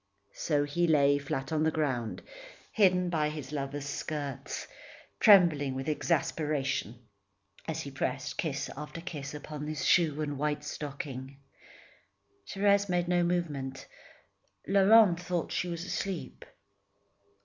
So he lay, flat on the ground, hidden by his lover's skirts, trembling with exasperation as he pressed kiss after kiss upon the shoe and white stocking. Thérèse made no movement. Laurent thought she was asleep.